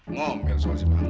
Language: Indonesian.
ngom kan soal si mahmud